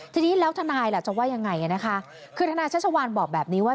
ทีนี้แล้วทนายล่ะจะว่ายังไงนะคะคือทนายชัชวานบอกแบบนี้ว่า